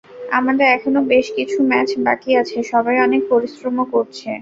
আমাদের এখনো বেশ কিছু ম্যাচ বাকি আছে, সবাই অনেক পরিশ্রমও করছে।